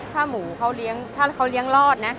ถ้าหมูเขาเลี้ยงรอดนะ